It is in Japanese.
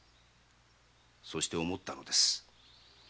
そして思ったのです。